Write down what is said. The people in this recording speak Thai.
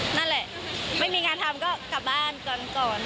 นั่นแหละไม่มีงานทำก็กลับบ้านก่อน